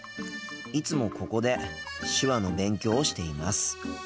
いつもここで手話の勉強をしています。